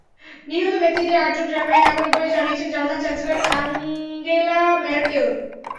নিহত ব্যক্তিদের আটজন জার্মানির নাগরিক বলে জানিয়েছেন জার্মান চ্যান্সেলর অ্যাঙ্গেলা মেরকেল।